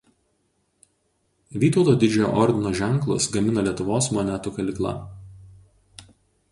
Vytauto Didžiojo ordino ženklus gamina Lietuvos monetų kalykla.